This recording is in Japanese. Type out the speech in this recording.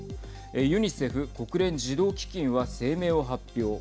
ユニセフ＝国連児童基金は声明を発表。